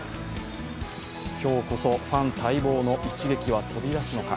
今日こそファン待望の一撃は飛び出すのか。